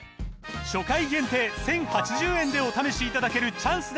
初回限定１，０８０円でお試しいただけるチャンスです